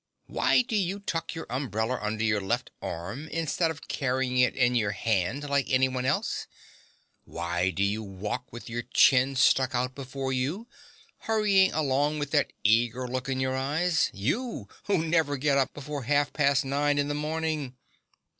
Why do you tuck your umbrella under your left arm instead of carrying it in your hand like anyone else? Why do you walk with your chin stuck out before you, hurrying along with that eager look in your eyes you, who never get up before half past nine in the morning?